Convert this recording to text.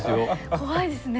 怖いですね。